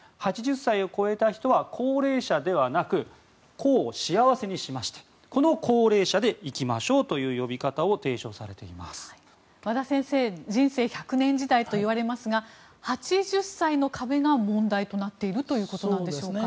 ８０台を超えた人は高齢者ではなく高を幸せにしましてこの幸齢者でいきましょうという呼び方を和田先生人生１００年時代といわれますが８０歳の壁が問題となっているということなんでしょうか。